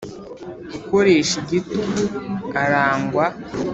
ukoresha igitugu arangwa.